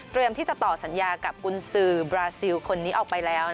ที่จะต่อสัญญากับกุญสือบราซิลคนนี้ออกไปแล้ว